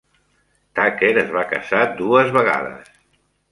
Tucker es va casar dues vegades.